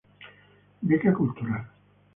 Beca Cultural.